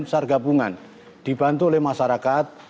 sargabungan dibantu oleh masyarakat